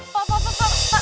pak pak pak